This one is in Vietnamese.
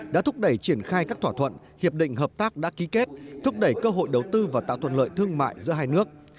đã thúc đẩy triển khai các thỏa thuận hiệp định hợp tác đã ký kết thúc đẩy cơ hội đầu tư và tạo thuận lợi thương mại giữa hai nước